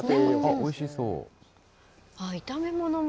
おいしそう。